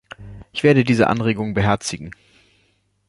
Ich werde diese Anregung beherzigen.